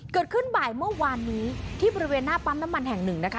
เกิดขึ้นบ่ายเมื่อวานนี้ที่บริเวณหน้าปั๊มน้ำมันแห่งหนึ่งนะคะ